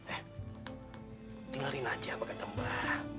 eh tinggalin aja pak kata mba